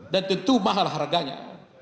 dan tentu mahal harganya